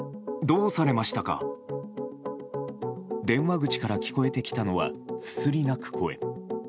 電話口から聞こえてきたのはすすり泣く声。